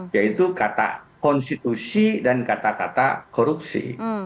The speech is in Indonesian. yaitu kata konstitusi dan kata kata korupsi